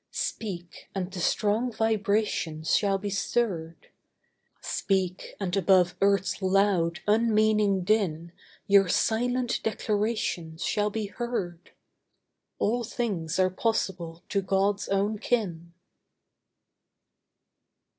Speak, and the strong vibrations shall be stirred; Speak, and above earth's loud, unmeaning din Your silent declarations shall be heard. All things are possible to God's own kin.